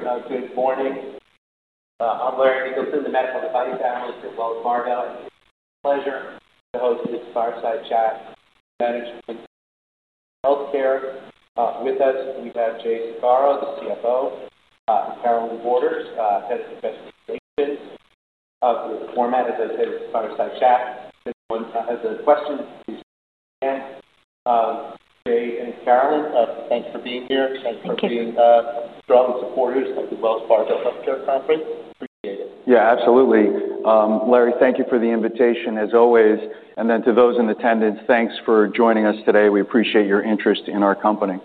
Good morning. I'm Larry Eglinton, the Medical Body Panelist as well as Margaux. It's my pleasure to host this fireside chat management healthcare. With us, we have Jay Sagaro, the CFO and Carolyn Borders, Head of Investor Relations. We'll format it as a fireside chat. If anyone has a question, please can. Jay and Carolyn, thanks for being here. Thanks for being a shareholder supporters of the Wells Fargo Healthcare Conference. Appreciate it. Yes, absolutely. Larry, thank you for the invitation as always. And then to those in attendance, thanks for joining us today. We appreciate your interest in our company.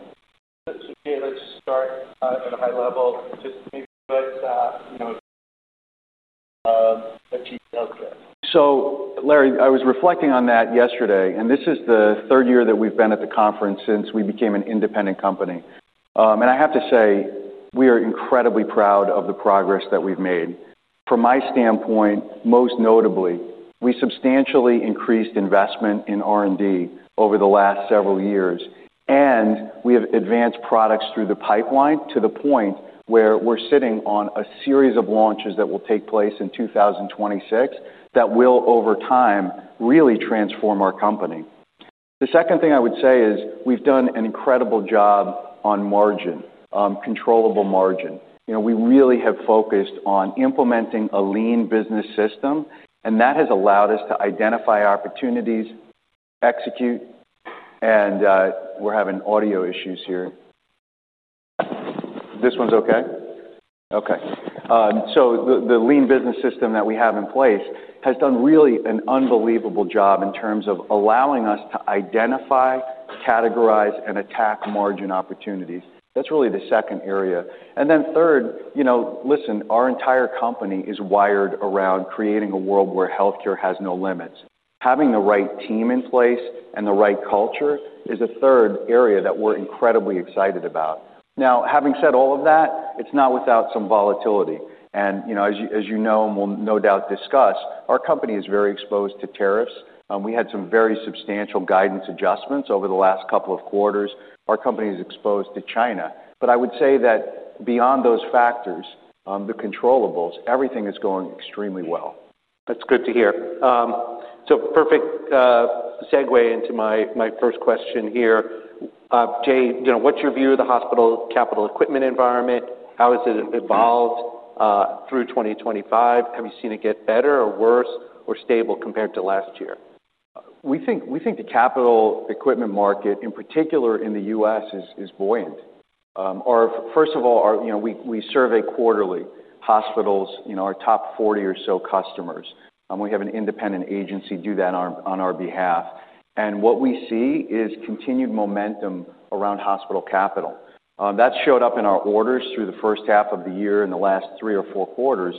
So Larry, was reflecting on that yesterday and this is the third year that we've been at the conference since we became an independent company. And I have to say, we are incredibly proud of the progress that we've made. From my standpoint, most notably, we substantially increased investment in R and D over the last several years and we have advanced products through the pipeline to the point where we're sitting on a series of launches that will take place in 2026 that will over time really transform our company. The second thing I would say is we've done an incredible job on margin, controllable margin. We really have focused on implementing a lean business system and that has allowed us to identify opportunities, execute and we're having audio issues here. This one's okay? Okay. So the lean business system that we have in place has done really an unbelievable job in terms of allowing us to identify, categorize and attack margin opportunities. That's really the second area. And then third, listen, our entire company is wired around creating a world where healthcare has no limits. Having the right team in place and the right culture is a third area that we're incredibly excited about. Now having said all of that, it's not without some volatility. And as you know and we'll no doubt discuss, our company is very exposed to tariffs. We had some very substantial guidance adjustments over the last couple of quarters. Our company is exposed to China, but I would say that beyond those factors, the controllables, everything is going extremely well. That's good to hear. So perfect segue into my first question here. Jay, what's your view of the hospital capital equipment environment? How has it evolved through 2025? Have you seen it get better or worse or stable compared to last year? We think the capital equipment market in particular in The U. S. Is buoyant. First of all, survey quarterly hospitals, our top 40 or so customers and we have an independent agency do that on our behalf. And what we see is continued momentum around hospital capital. That showed up in our orders through the first half of the year in the last three or four quarters.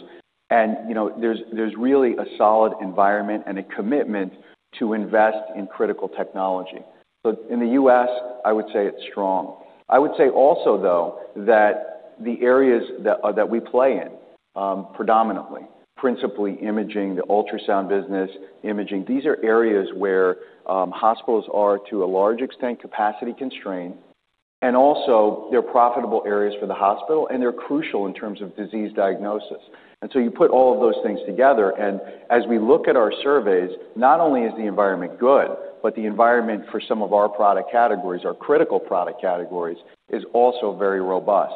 And there's really a solid environment and a commitment to invest in critical technology. But in The U. S, I would say it's strong. I would say also though that the areas that we play in predominantly, principally imaging, the ultrasound business, imaging, these are areas where hospitals are to a large extent capacity constrained and also they're profitable areas for the hospital and they're crucial in terms of disease diagnosis. And so you put all of those things together and as we look at our surveys, not only is the environment good, but the environment for some of our product categories, our critical product categories is also very robust.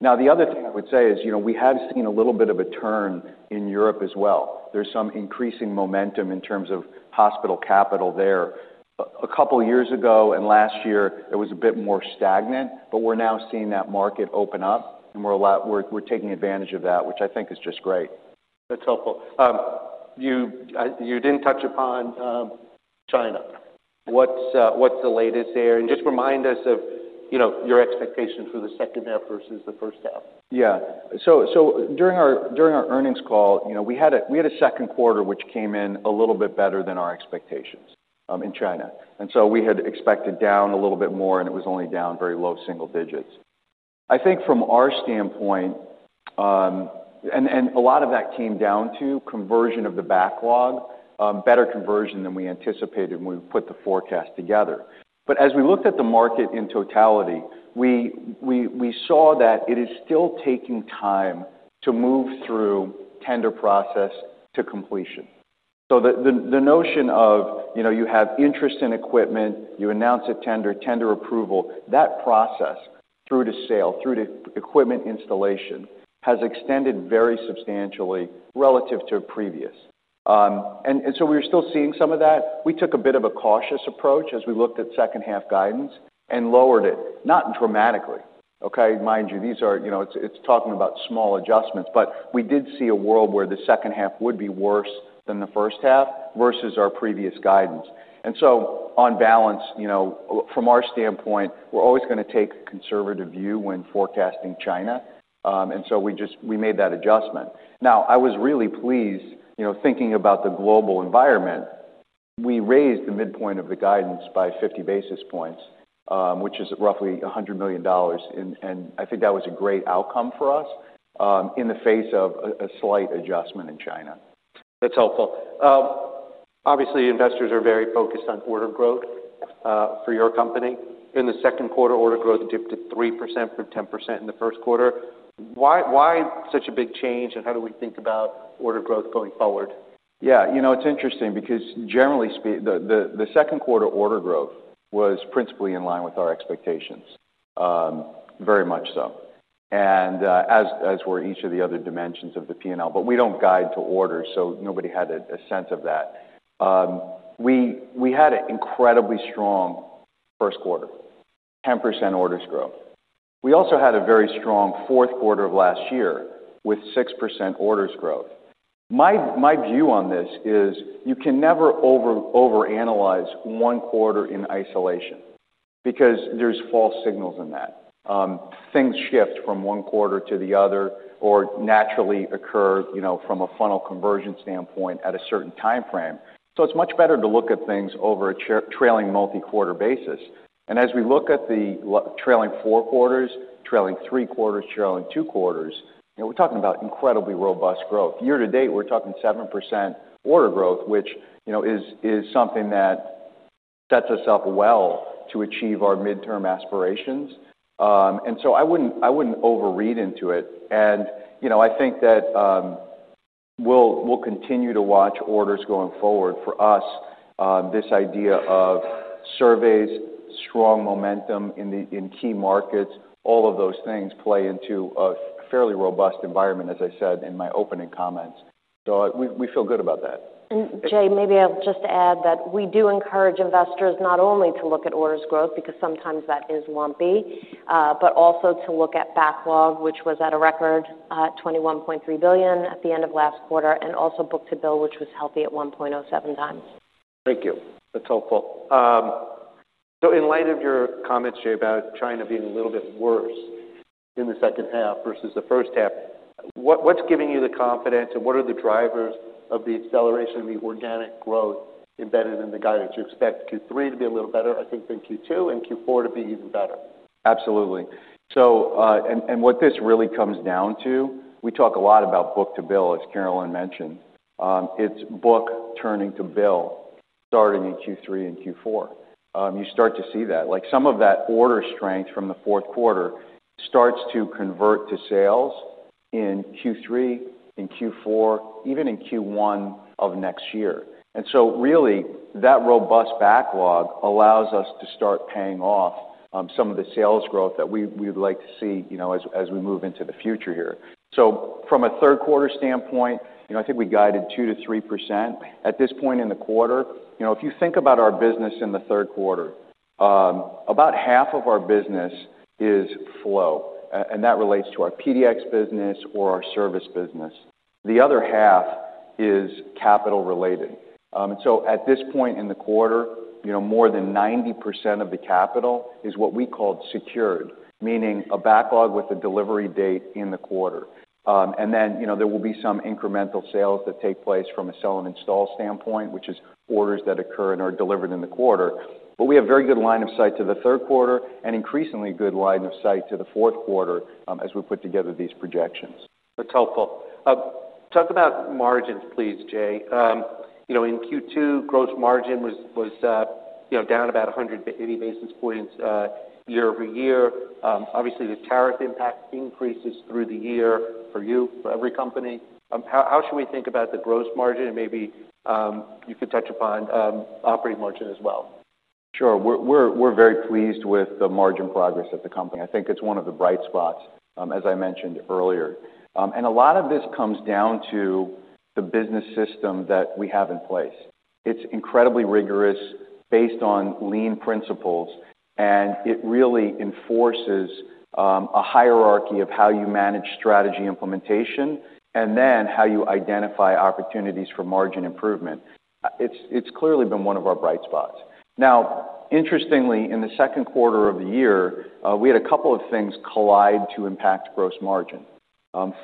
Now the other thing I would say is, we have seen a little bit of a turn in Europe as well. There's some increasing momentum in terms of hospital capital there. A couple of years ago and last year, it was a bit more stagnant, but we're now seeing that market open up and we're taking advantage of that, which I think is just great. That's helpful. You didn't touch upon China. What's the latest there? And just remind us of your expectations for the second half versus the first half? Yes. So during our earnings call, we a second quarter which came in a little bit better than our expectations in China. And so we had expected down a little bit more and it was only down very low single digits. I think from our standpoint and a lot of that came down to conversion of the backlog, better conversion than we anticipated when we put the forecast together. But as we looked at the market in totality, we saw that it is still taking time to move through tender process to completion. So the notion of you have interest in equipment, you announce a tender, tender approval, that process through the sale, through the equipment installation has extended very substantially relative to previous. And so we're still seeing some of that. We took a bit of a cautious approach as we looked at second half guidance and lowered it, not dramatically, okay. Mind you, these are it's talking about small adjustments, but we did see a world where the second half would be worse than the first half versus our previous guidance. And so on balance, from our standpoint, we're always going to take conservative view when forecasting China. And so we just we made that adjustment. Now I was really pleased thinking about the global environment, we raised the midpoint of the guidance by 50 basis points, which is roughly $100,000,000 and I think that was a great outcome for us, in the face of a slight adjustment in China. That's helpful. Obviously, investors are very focused on order growth for your company. In the second quarter, order growth dipped to 3% from 10% in the first quarter. Why such a big change? And how do we think about order growth going forward? Yes, it's interesting because generally the second quarter order growth was principally in line with our expectations, very much so. And as were each of the other dimensions of the P and L, but we don't guide to orders, so nobody had a sense of that. We had an incredibly strong first quarter, 10% orders growth. We also had a very strong fourth quarter of last year with 6% orders growth. My view on this is you can never overanalyze one quarter in isolation because there's false signals in that. Things shift from one quarter to the other or naturally occur from a funnel conversion standpoint at a certain timeframe. So it's much better to look at things over a trailing multi quarter basis. And as we look at the trailing four quarters, trailing three quarters, trailing two quarters, we're talking about incredibly robust growth. Year to date, we're talking 7% order growth, which is something that sets us up well to achieve our midterm aspirations. And so I wouldn't over read into it. And I think that we'll continue to watch orders going forward for us. This idea of surveys, strong momentum in key markets, all of those things play into a fairly robust environment as I said in my opening comments. So we feel good about that. Jay, maybe I'll just add that we do encourage investors not only to look at orders growth because sometimes that is lumpy, but also to look at backlog which was at a record $21,300,000,000 at the end of last quarter and also book to bill which was healthy at 1.07 times. Thank you. That's helpful. So in light of your comments, Jay, about China being a little bit worse in the second half versus the first half, what's giving you the confidence and what are the drivers of the acceleration of the organic growth embedded in the guidance? You expect Q3 to be a little better, I think than Q2 and Q4 to be even better? Absolutely. So and what this really comes down to, we talk a lot about book to bill as Carolyn mentioned. It's book turning to bill starting in Q3 and Q4. You start to see that like some of that order strength from the fourth quarter starts to convert to sales in Q3, in Q4, even in Q1 of next year. And so really that robust backlog allows us to start paying off some of the sales growth that we would like to see as we move into the future here. So from a third quarter standpoint, I think we guided 2% to 3%. At this point in the quarter, if you think about our business in the third quarter, about half of our business is flow and that relates to our PDX business or our service business. The other half is capital related. So at this point in the quarter, more than 90% of the capital is what we called secured, meaning a backlog with a delivery date in the quarter. And then there will be some incremental sales that take place from a sell and install standpoint, which is orders that occur and are delivered in the quarter. But we have very good line of sight to the third quarter and increasingly good line of sight to the fourth quarter as we put together these projections. That's helpful. Talk about margins please, Jay. In Q2, gross margin was down about 180 basis points year over year. Obviously, the tariff impact increases through the year for you, for every company. How should we think about the gross margin? And maybe you could touch upon operating margin as well. Sure. We're very pleased with the margin progress of the company. I think it's one of the bright spots, as I mentioned earlier. And a lot of this comes down to the business system that we have in place. It's incredibly rigorous based on lean principles and it really enforces a hierarchy of how you manage strategy implementation and then how you identify opportunities for margin improvement. It's clearly been one of our bright spots. Now interestingly in the second quarter of the year, we had a couple of things collide to impact gross margin.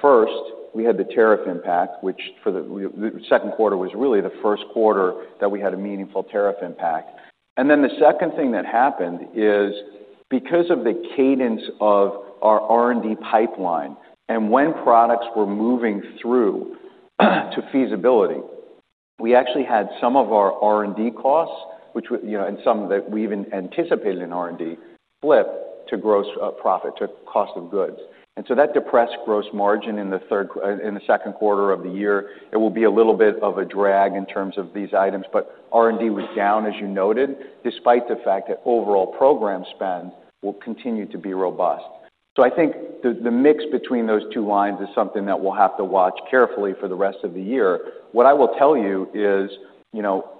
First, we had the tariff impact which for the second quarter was really the first quarter that we had a meaningful tariff impact. And then the second thing that happened is because of the cadence of our R and D pipeline and when products were moving through to feasibility, we actually had some of our R and D costs, which and some that we even anticipated in R and D flip to gross profit to cost of goods. And so that depressed gross margin in the third in the second quarter of the year. It will be a little bit of a drag in terms of these items, but R and D was down as you noted, despite the fact that overall program spend will continue to be robust. So I think the mix between those two lines is something that we'll have to watch carefully for the rest of the year. What I will tell you is,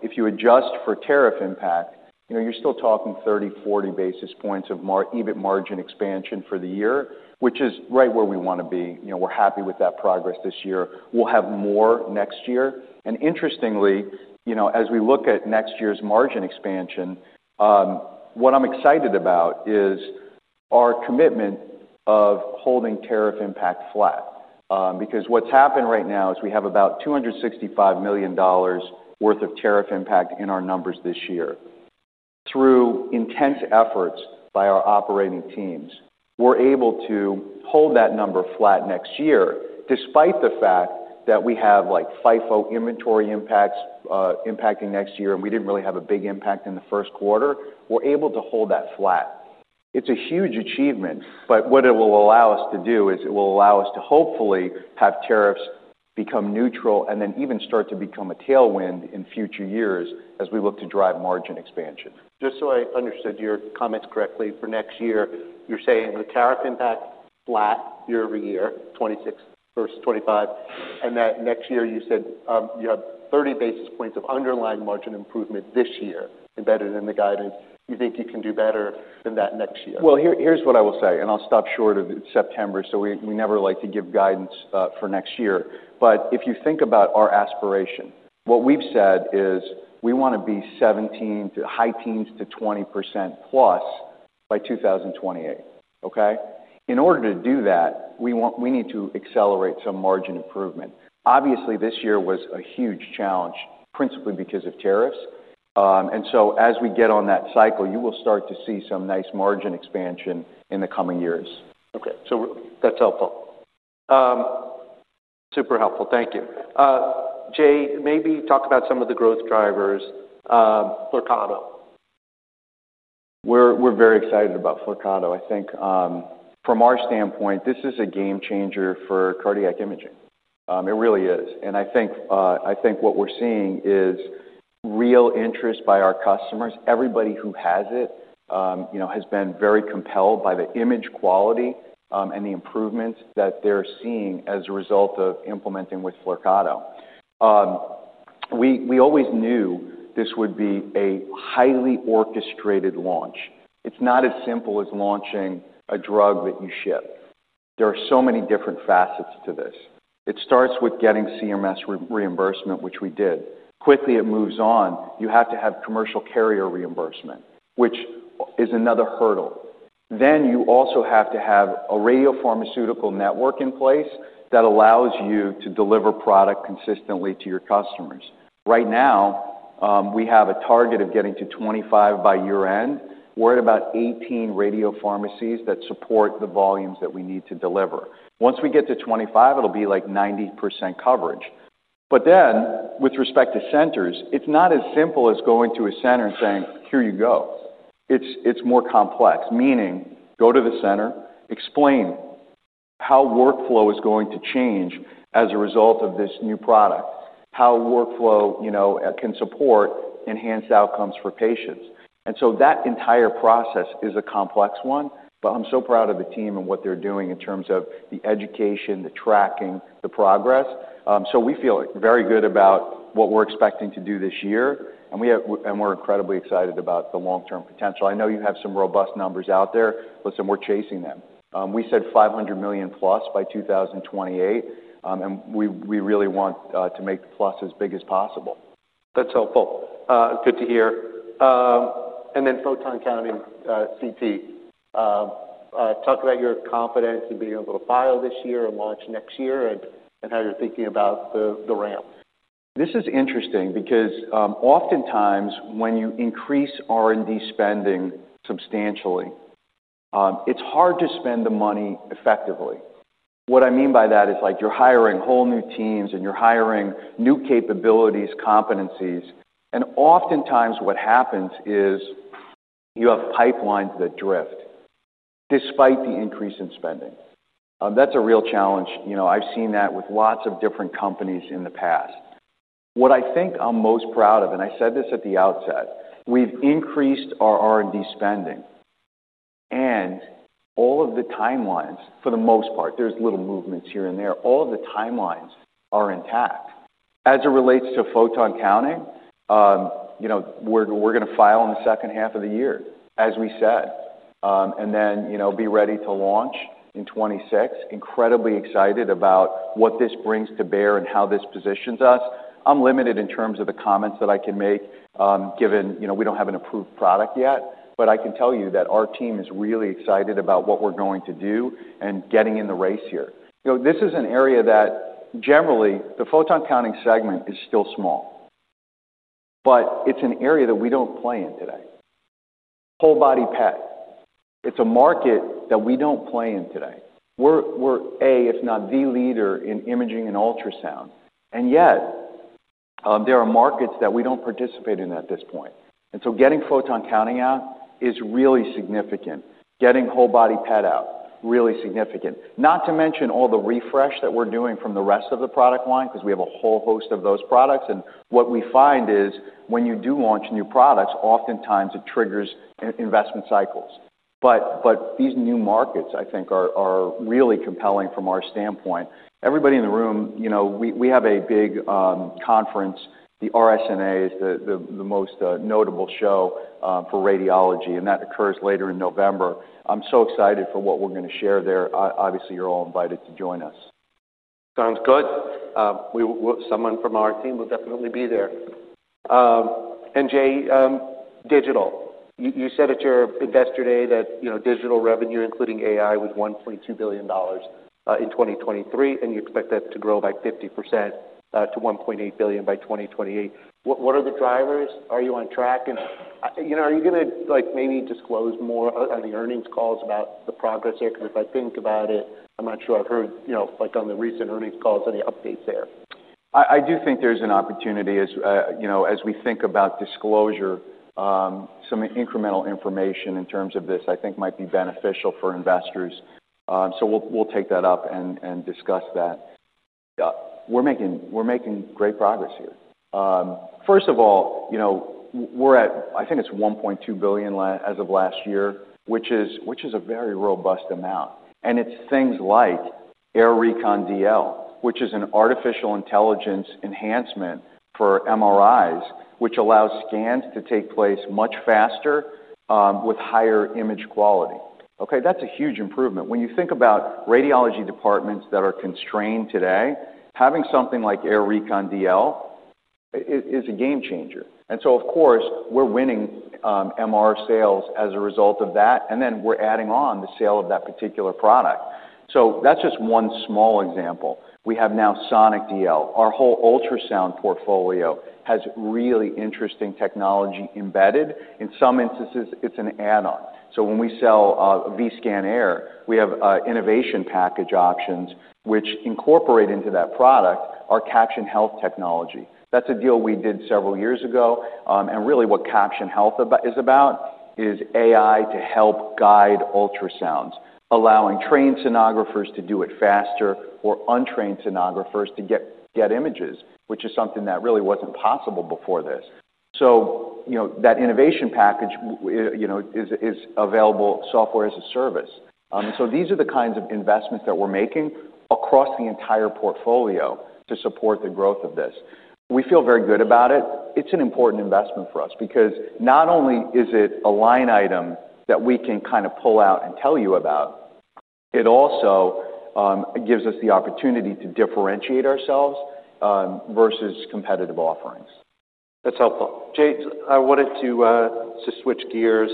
if you adjust for tariff impact, you're still talking thirty, forty basis points of EBIT margin expansion for the year, which is right where we want to be. We're happy with that progress this year. We'll have more next year. And interestingly, as we look at next year's margin expansion, what I'm excited about is our commitment of holding tariff impact flat, because what's happened right now is we have about $265,000,000 worth of tariff impact in our numbers this year. Through intense efforts by our operating teams, we're able to hold that number flat next year despite the fact that we have like FIFO inventory impacts impacting next year and we didn't really have a big impact in the first quarter, we're able to hold that flat. It's a huge achievement, but what it will allow us to do is it will allow us to hopefully have tariffs become neutral and then even start to become a tailwind in future years as we look to drive margin expansion. Just so I understood your comments correctly, for next year, you're saying the tariff impact flat year over year, 26 versus 25. And that next year, you said you have 30 basis points of underlying margin improvement this year embedded in the guidance. You think you can do better than that next year? Well, here's what I will say and I'll stop short of September, so we never like to give guidance for next year. But if you think about our aspiration, what we've said is we want to be 17% to high teens to 20% plus by 2028, okay. In order to do that, we need to accelerate some margin improvement. Obviously, this year was a huge challenge principally because of tariffs. And so as we get on that cycle, you will start to see some nice margin expansion in the coming years. Okay. So that's helpful. Super helpful. Thank you. Jay, maybe talk about some of the growth drivers We're very excited about Flurcano. Think from our standpoint, this is a game changer for cardiac imaging. It really is. And I think what we're seeing is real interest by our customers. Everybody who has it has been very compelled by the image quality and the improvements that they're seeing as a result of implementing with Flurcado. We always knew this would be a highly orchestrated launch. It's not as simple as launching a drug that you ship. There are so many different facets to this. It starts with getting CMS reimbursement, which we did. Quickly it moves on. You have to have commercial carrier reimbursement, which is another hurdle. Then you also have to have a radio pharmaceutical network in place that allows you to deliver product consistently to your customers. Right now, we have a target of getting to 25 by year end. We're at about 18 radio pharmacies that support the volumes that we need to deliver. Once we get to 25, it will be like 90% coverage. But then with respect to centers, it's not as simple as going to a center saying, here you go. It's more complex, meaning go to the center, explain how workflow is going to change as a result of this new product, how workflow can support enhanced outcomes for patients. And so that entire process is a complex one, but I'm so proud of the team and what they're doing in terms of the education, the tracking, the progress. So we feel very good about what we're expecting to do this year and we're incredibly excited about the long term potential. I know you have some robust numbers out there, listen we're chasing them. We said 500,000,000 plus by 2028 and we really want to make the plus as big as possible. That's helpful. Good to hear. And then Photon County CT, talk about your confidence in being able to file this year or launch next year and how you're thinking about the ramp? This is interesting because oftentimes when you increase R and D spending substantially, it's hard to spend the money effectively. What I mean by that is like you're hiring whole new teams and you're hiring new capabilities, competencies and oftentimes what happens is you have pipelines that drift despite the increase in spending. That's a real challenge. I've seen that with lots of different companies in the past. What I think I'm most proud of and I said this at the outset, we've increased our R and D spending and all of the timelines for the most part, there's little movements here and there, all the timelines are intact. As it relates to photon counting, we're going to file in the second half of the year as we said, and then be ready to launch in 'twenty six, incredibly excited about what this brings to bear and how this positions us. I'm limited in terms of the comments that I can make, given we don't have an approved product yet, but I can tell you that our team is really excited about what we're going to do and getting in the race here. This is an area that generally the photon counting segment is still small, but it's an area that we don't play in today. Whole body PET, it's a market that we don't play in today. We're A, if not the leader in imaging and ultrasound and yet there are markets that we don't participate in at this point. And so getting photon counting out is really significant. Getting whole body pet out really significant, not to mention all the refresh that we're doing from the rest of the product line because we have a whole host of those products. And what we find is when you do launch new products oftentimes it triggers investment cycles. But these new markets I think are really compelling from our standpoint. Everybody in the room, we have a big conference, the RSNA is the most notable show for radiology and that occurs later in November. I'm so excited for what we're going to share there. Obviously, you're all invited to join us. Sounds good. Someone from our team will definitely be there. And Jay, digital, you said at your Investor Day that digital revenue including AI was $1,200,000,000 in 2023 and you expect that to grow by 50% to $1,800,000,000 by 2028. What are the drivers? Are you on track? And are you going to like maybe disclose more on the earnings calls about the progress here? Because if I think about it, I'm not sure I've heard like on the recent earnings calls, any updates there? I do think there is an opportunity as we think about disclosure, some incremental information in terms of this I think might be beneficial for investors. So, we'll take that up and discuss that. We're making great progress here. First of all, we're at I think it's $1,200,000,000 as of last year, which is a very robust amount. And it's things like AIR Recon DL, which is an artificial intelligence enhancement for MRIs, which allows scans to take place much faster with higher image quality. That's a huge improvement. When you think about radiology departments that are constrained today, having something like AIR Recon DL is a game changer. And so of course, we're winning MR sales as a result of that and then we're adding on the sale of that particular product. So that's just one small example. We have now Sonic DL, our whole ultrasound portfolio has really interesting technology embedded. In some instances, it's an add on. So when we sell Vscan Air, we have innovation package options, which incorporate into that product our CaptionHealth technology. That's a deal we did several years ago. And really what CaptionHealth is about is AI to help guide ultrasounds, allowing trained sonographers to do it faster or untrained sonographers to get images, which is something that really wasn't possible before this. So that innovation package is available software as a service. So these are the kinds of investments that we're making across the entire portfolio to support the growth of this. We feel very good about it. It's an important investment for us because not only is it a line item that we can kind of pull out and tell you about, it also gives us the opportunity to differentiate ourselves versus competitive offerings. That's helpful. Jace, I wanted to switch gears,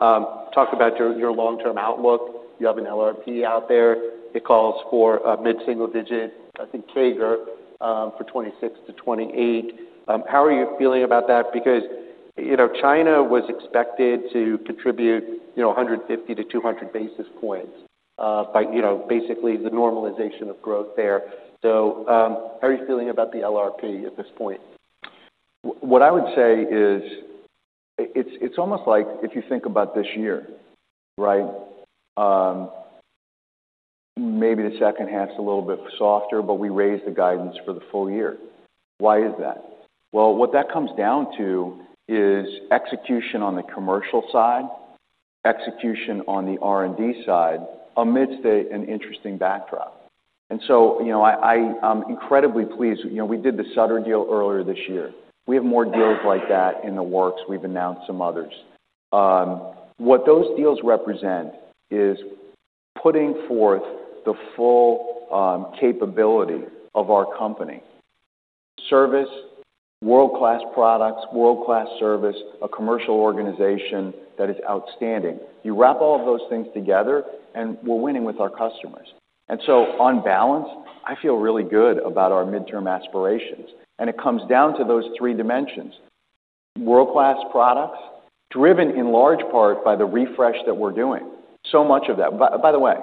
talk about your long term outlook. You have an LRP out there. It calls for mid single digit CAGR for twenty six to twenty eight. How are you feeling about that because China was expected to contribute 150 to 200 basis points by basically the normalization of growth there. So, how are you feeling about the LRP at this point? What I would say is, it's almost like if you think about this year, right, maybe the second half is a little bit softer, but we raised the guidance for the full year. Why is that? Well, what that comes down to is execution on the commercial side, execution on the R and D side amidst an interesting backdrop. And so I am incredibly pleased. We did the Sutter deal earlier this year. We have more deals like that in the works. We've announced some others. What those deals represent is putting forth the full capability of our company, service, world class products, world class service, a commercial organization that is outstanding. You wrap all of those things together and we're winning with our customers. And so on balance, I feel really good about our mid term aspirations. And it comes down to those three dimensions, world class products driven in large part by the refresh that we're doing, so much of that. By the way,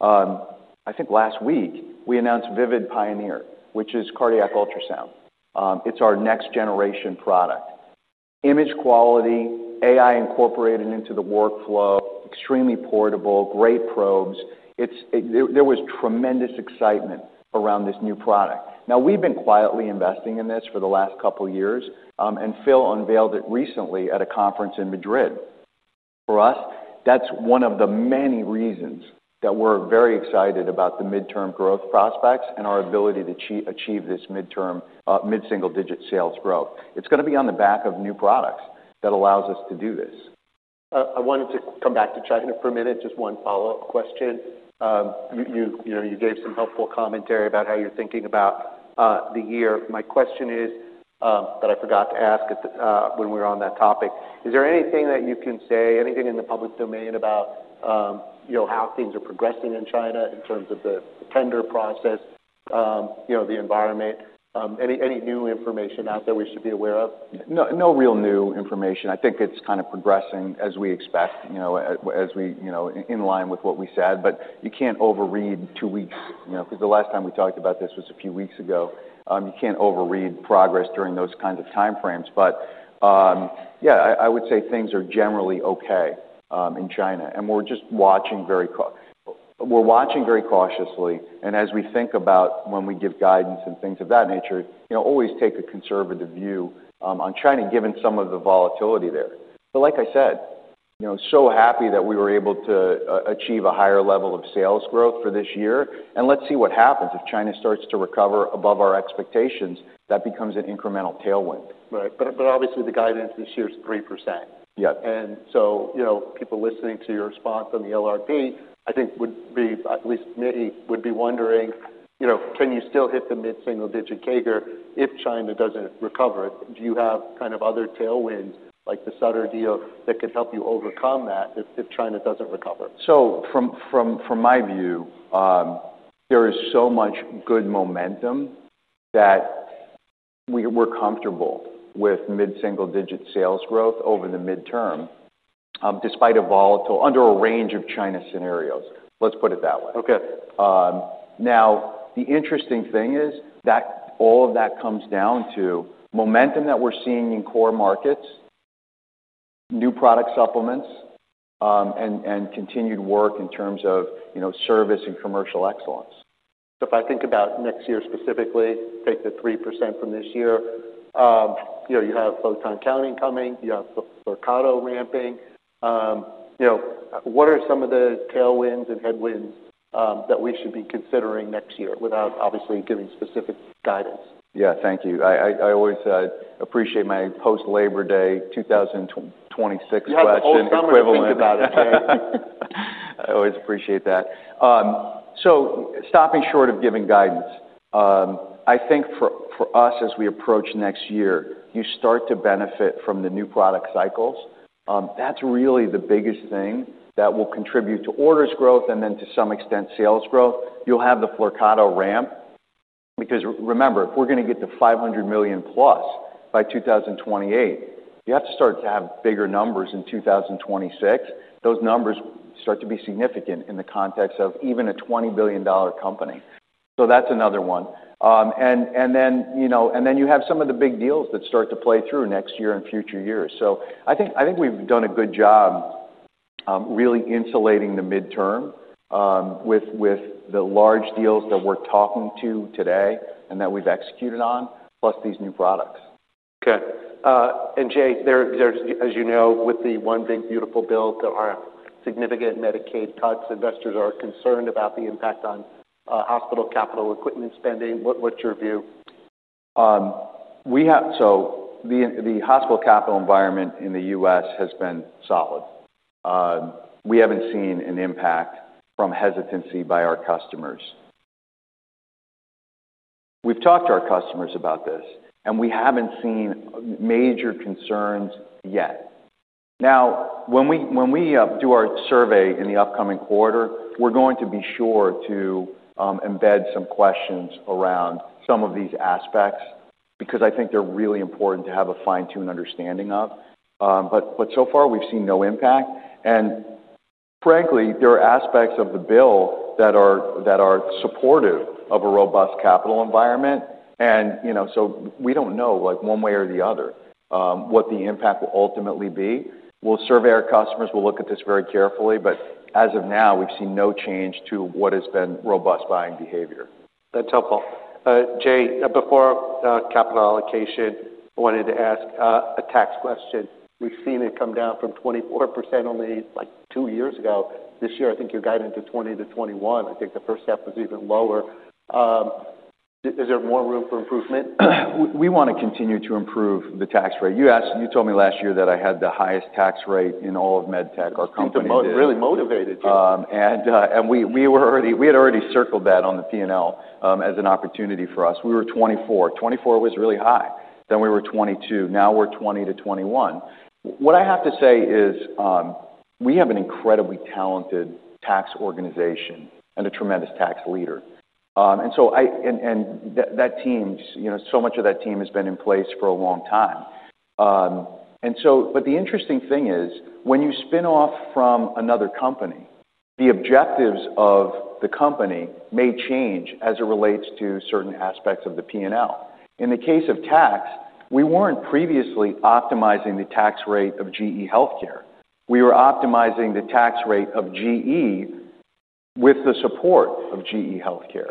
I think last week we announced Vivid Pioneer, which is cardiac ultrasound. It's our next generation product. Image quality, AI incorporated into the workflow, extremely portable, great probes. There was tremendous excitement around this new product. Now we've been quietly investing in this for the last couple of years and Phil unveiled it recently at a conference in Madrid. For us, that's one of the many reasons that we're very excited about the mid term growth prospects and our ability to achieve this mid term mid single digit sales growth. It's going to be on the back of new products that allows us to do this. I wanted to come back to China for a minute, just one follow-up question. You gave some helpful commentary about how you're thinking about the year. My question is, but I forgot to ask when we're on that topic. Is there anything that you can say, anything in the public domain about how things are progressing in China in terms of the tender process, the environment, any new information out there we should be aware of? No real new information. I think it's kind of progressing as we expect, as we in line with what we said, but you can't overread two weeks, because the last time we talked about this was a few weeks ago. You can't overread progress during those kinds of timeframes. But yeah, I would say things are generally okay in China and we're just watching very cautiously. And as we think about when we give guidance and things of that nature, always take a conservative view on China given some of the volatility there. But like I said, so happy that we were able to achieve a higher level of sales growth for this year. And let's see what happens if China starts to recover above our expectations that becomes an incremental tailwind. Right, but obviously the guidance this year is 3%. And so people listening to your response on the LRP, think would be at least maybe would be wondering, can you still hit the mid single digit CAGR if China doesn't recover? Do you have kind of other tailwinds like the Sutter deal that could help you overcome that if China doesn't recover? So from my view, there is so much good momentum that we're comfortable with mid single digit sales growth over the mid term despite a volatile under a range of China scenarios, let's put it that way. Okay. Now the interesting thing is that all of that comes down to momentum that we're seeing in core markets, new product supplements and continued work in terms of service and commercial excellence. If I think about next year specifically, take the 3% from this year, you have both on accounting coming, you have Vorcado ramping. What are some of the tailwinds and headwinds that we should be considering next year without obviously giving specific guidance? Yes, thank you. I always appreciate my post Labor Day twenty twenty six question I appreciate that. So stopping short of giving guidance, I think for us as we approach next year, you start to benefit from the new product cycles. That's really the biggest thing that will contribute to orders growth and then to some extent sales growth. You'll have the Flurcato ramp because remember if we're going to get to $500,000,000 plus by 2028, you have to start to have bigger numbers in 2026. Those numbers start to be significant in the context of even a $20,000,000,000 company. So that's another one. And then you have some of the big deals that start to play through next year and future years. So I think we've done a good job really insulating the mid term with the large deals that we're talking to today and that we've executed on plus these new products. Okay. Jay, there is as you know with the One Big Beautiful bill, there are significant Medicaid cuts, investors are concerned about the impact on hospital capital equipment spending. What's your view? We have so the hospital capital environment in The U. S. Has been solid. We haven't seen an impact from hesitancy by our customers. We've talked to our customers about this and we haven't seen major concerns yet. Now when we do our survey in the upcoming quarter, we're going to be sure to embed some questions around some of these aspects because I think they're really important to have a fine tuned understanding of. But so far, we've seen no impact. And frankly, there are aspects of the bill that supportive of a robust capital environment. And so we don't know like one way or the other, what the impact will ultimately be. We'll survey our customers, we'll look at this very carefully. But as of now, we've seen no change to what has been robust buying behavior. That's helpful. Jay, before capital allocation, I wanted to ask a tax question. We've seen it come down from 24% only like two years ago. This year, think you're guiding to 20% to 21%. I think the first half was even lower. Is there more room for improvement? We want to continue to improve the tax rate. Asked and you told me last year that I had the highest tax rate in all of MedTech, our company It's really motivated. And we were already we had already circled that on the P and L as an opportunity for us. Were 24%, 24 was really high, then we were 22%, now we're 20% to 21%. What I have to say is, we have an incredibly talented tax organization and a tremendous tax leader. And so I and that team so much of that team has been in place for a long time. And so but the interesting thing is when you spin off from another company, the objectives of the company may change as it relates to certain aspects of the P and L. In the case of tax, we weren't previously optimizing the tax rate of GE Healthcare. We were optimizing the tax rate of GE with the support of GE Healthcare.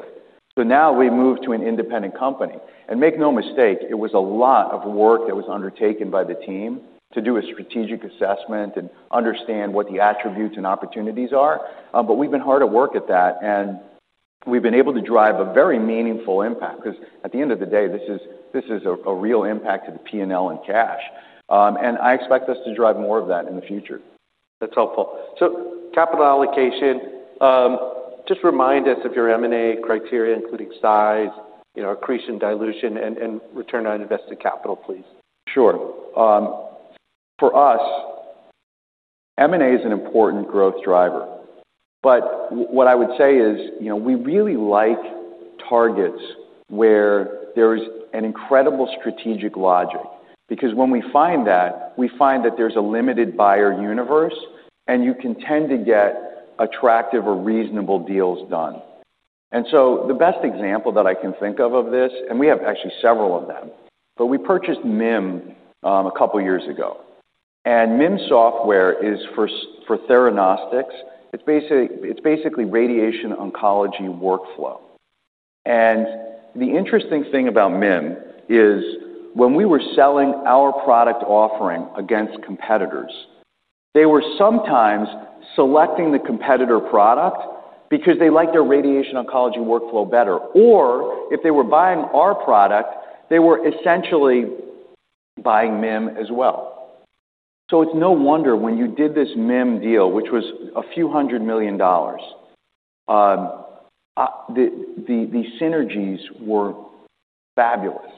So now we move to an independent company. And make no mistake, it was a lot of work that was undertaken by the team to do a strategic assessment and understand what the attributes and opportunities are, But we've been hard at work at that and we've been able to drive a very meaningful impact because at the end of the day, is a real impact to the P and L and cash. And I expect us to drive more of that in the future. That's helpful. So capital allocation, just remind us of your M and A criteria including size, accretion, dilution and return on invested capital please? Sure. For us, M and A is an important growth driver. But what I would say is, we really like targets where there is an incredible strategic logic, because when we find that, we find that there is a limited buyer universe and you can tend to get attractive or reasonable deals done. And so the best example that I can think of this and we have actually several of them, but we purchased MIM a couple of years ago. And MIM software is for Theranostics. It's basically radiation oncology workflow. And the interesting thing about MIM is when we were selling our product offering against competitors, they were sometimes selecting the competitor product because they like their radiation oncology workflow better or if they were buying our product, they were essentially buying MIM as well. So it's no wonder when you did this NIM deal, was a few $100,000,000, the synergies were fabulous.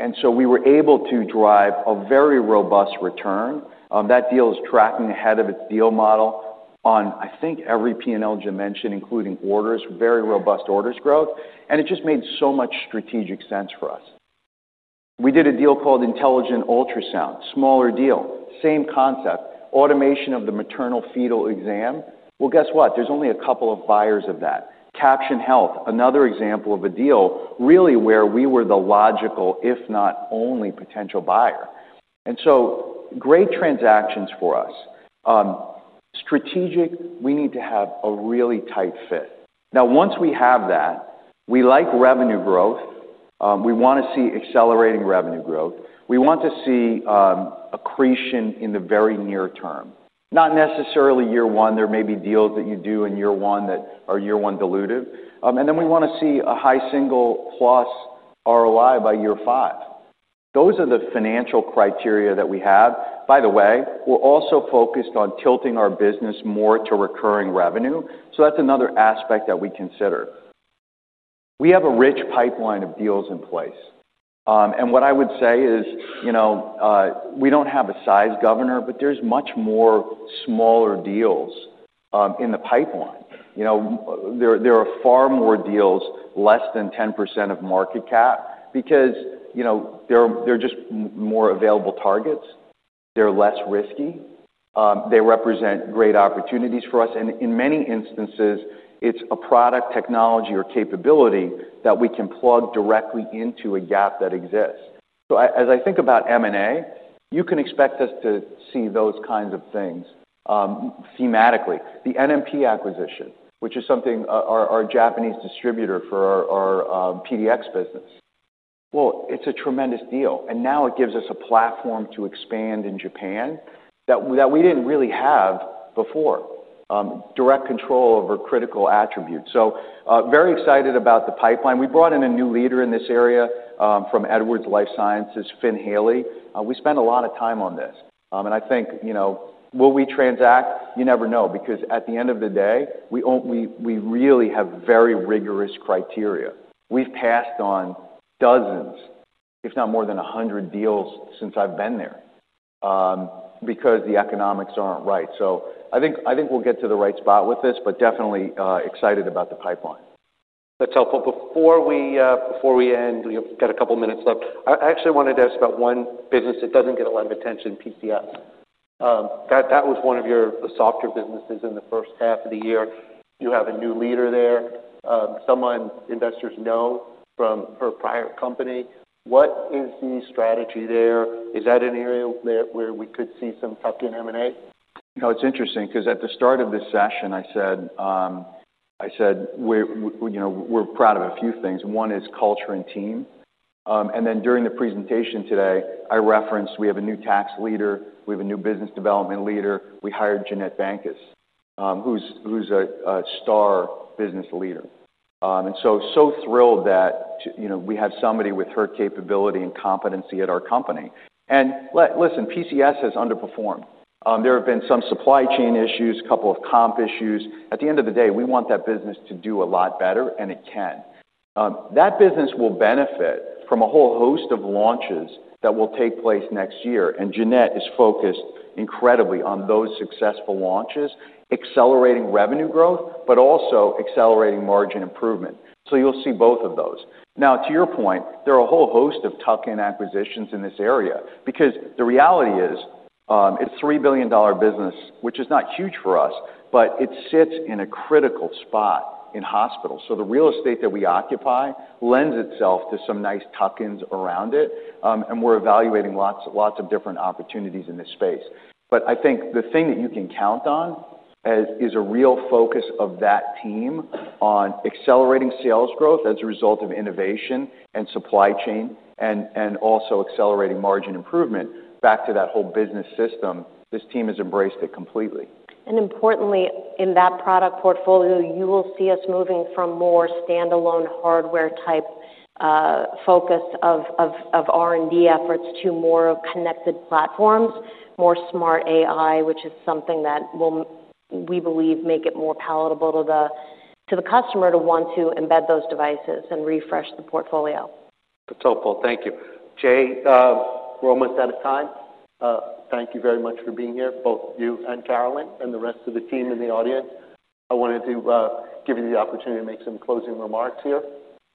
And so we were able to drive a very robust return. That deal is tracking ahead of its deal model on I think every P and L Jim mentioned including orders, very robust orders growth and it just made so much strategic sense for us. We did a deal called Intelligent Ultrasound, smaller deal, same concept, automation of the maternal fetal exam. Well, guess what, there's only a couple of buyers of that. Caption Health, another example of a deal really where we were the logical if not only potential buyer. And so great transactions for us. Strategic, we need to have a really tight fit. Now once we have that, we like revenue growth. We want to see accelerating revenue growth. We want to see accretion in the very near term, not necessarily year one, there may be deals that you do in year one that are year one dilutive. And then we want to see a high single plus ROI by year five. Those are the financial criteria that we have. By the way, we're also focused on tilting our business more to recurring revenue. So that's another aspect that we consider. We have a rich pipeline of deals in place. And what I would say is we don't have a size governor, but there is much more smaller deals in the pipeline. Are far more deals less than 10% of market cap because they're just more available targets, they're less risky, they represent great opportunities for us and in many instances, it's a product technology or capability that we can plug directly into a gap that exists. So as I think about M and A, you can expect us to see those kinds of things thematically. The NMP acquisition, which is something our Japanese distributor for our PDX business. Well, it's a tremendous deal and now it gives us a platform to expand in Japan that we didn't really have before, direct control over critical attributes. So, very excited about the pipeline. We brought in a new leader in this area from Edwards Lifesciences, Finn Haley. We spent a lot of time on this. And I think what we transact, you never know because at the end of the day, we really have very rigorous criteria. We've passed on dozens, if not more than 100 deals since I've been there, because the economics aren't right. So I think we'll get to the right spot with this, but definitely excited about the pipeline. That's helpful. Before we end, we've got a couple of minutes left. I actually wanted to ask about one business that doesn't get a lot of attention, PCS. That was one of your softer businesses in the first half of the year. You have a new leader there, someone investors know from her prior company. What is the strategy there? Is that an area where we could see some tuck in M and A? No, it's interesting because at the start of the session, said we're proud of a few things. One is culture and team. And then during the presentation today, I referenced we have a new tax leader, we have a new business development leader, we hired Jeanette Bancas, who is a star business leader. And so thrilled that we have somebody with her capability and competency at our company. And listen, PCS has underperformed. There have been some supply chain issues, couple of comp issues. At the end of the day, we want that business to do a lot better and it can. That business will benefit from a whole host of launches that will take place next year and Jeanette is focused incredibly on those successful launches, accelerating revenue growth, but also accelerating margin improvement. So you'll see both of those. Now to your point, there are a whole host of tuck in acquisitions in this area, because the reality is, it's $3,000,000,000 business, which is not huge for us, but it sits in a critical spot in hospitals. So the real estate that we occupy lends itself to some nice tuck ins around it and we're evaluating lots of different opportunities in this space. But I think the thing that you can count on is a real focus of that team on accelerating sales growth as a result of innovation and supply chain and also accelerating margin improvement back to that whole business system. This team has embraced it completely. And importantly, in that product portfolio, you will see us moving from more standalone hardware type focus of R and D efforts to more of connected platforms, more smart AI, which is something that will we believe make it more palatable to the customer to want to embed those devices and refresh the portfolio. That's helpful. Thank you. Jay, we're almost out of time. Thank you very much for being here, both you and Carolyn and the rest of the team in the audience. I wanted to give you the opportunity to make some closing remarks here.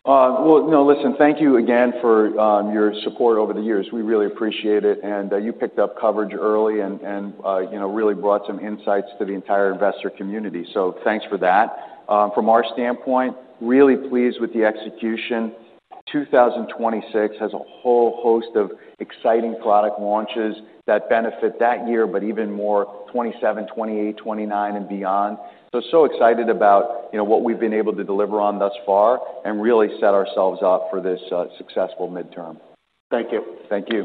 Well, no, listen, thank you again for your support over the years. We really appreciate it and you picked up coverage early and really brought some insights to the entire investor community. So thanks for that. From our standpoint, really pleased with the execution. 2026 has a whole host of exciting product launches that benefit that year, but even more 2027, 2028, 2029 and beyond. So, so excited about what we've been able to deliver on thus far and really set ourselves up for this successful midterm. Thank you. Thank you.